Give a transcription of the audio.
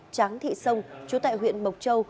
tráng thị sông chú tại huyện mộc châu